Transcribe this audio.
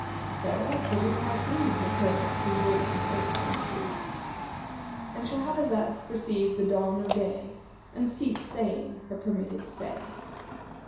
So I put in my sleeve[FN#152] the purse whose weight was irksome to me."—And Shahrazad perceived the dawn of day and ceased saying her permitted say.